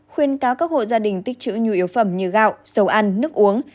khuyên cáo các hội gia đình tích chữ nhiều yếu phẩm như gạo dầu ăn nước uống